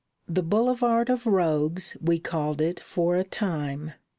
The Boulevard of Rogues we called it for a time.